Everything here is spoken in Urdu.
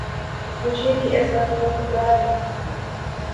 مجھے بھی ایسا فون لا دیں